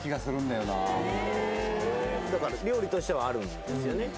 だから料理としてはあるんですよね